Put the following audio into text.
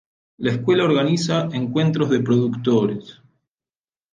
La escuela organiza encuentros de productores.